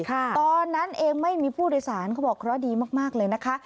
ตอนนั้นเองไม่มีผู้โดยสารเขาบอกเคราะห์ดีมากเลยนะคะ